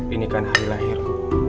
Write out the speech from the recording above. ini kan hari lahirku